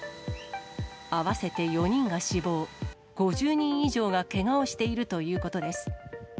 合わせて４人が死亡、５０人以上がけがをしているということです。